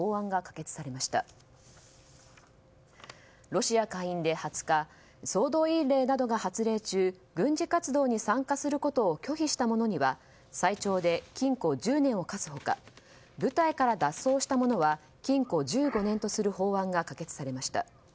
ロシア下院で２０日総動員令などが発令中軍事活動に参加することを拒否した者には最長で禁錮１０年を科す他部隊から脱走した者は禁錮１５年とする法案が可決されました。